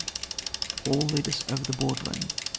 all lead us over the borderland.